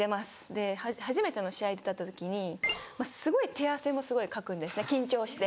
で初めての試合出た時にすごい手汗もかくんですね緊張して。